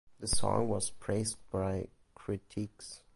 The song was praised by critics.